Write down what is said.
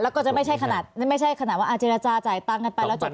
แล้วก็จะไม่ใช่ขนาดว่าเจรจาจ่ายตังค์กันไปแล้วจบ